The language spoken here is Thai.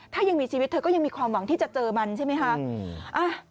ถ้ายังมีชีวิตเธอก็ยังมีความหวังที่จะเจอมันใช่ไหมคะ